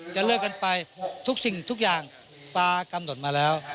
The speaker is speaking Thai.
จะเลิกกันไปทุกสิ่งทุกอย่างฟ้ากำหนดมาแล้ว